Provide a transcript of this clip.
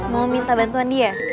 mau minta bantuan dia